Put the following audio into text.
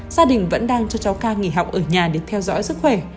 gia đình vẫn đang cho cháu ca nghỉ học ở nhà để theo dõi sức khỏe